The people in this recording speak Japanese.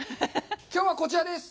きょうはこちらです。